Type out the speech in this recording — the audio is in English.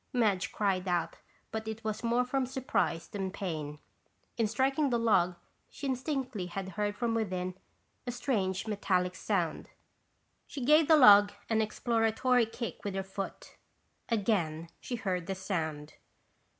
Madge cried out but it was more from surprise than pain. In striking the log she distinctly had heard from within a strange metallic sound! She gave the log an exploratory kick with her foot. Again she heard the sound.